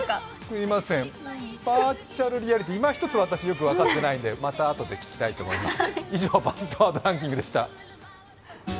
バーチャルリアリティーいま一つまだ分かってないのでまたあとで聞きたいと思います。